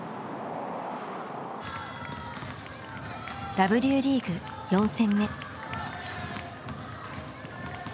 Ｗリーグ４戦目。